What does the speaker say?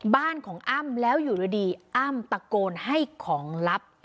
บ้านของอ้ำแล้วอยู่ดีอ้ำตะโกนให้ของลับ